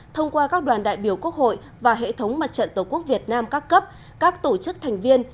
thông qua các đoàn đại biểu quốc hội và hệ thống mặt trận tổ quốc việt nam các cấp các tổ chức thành viên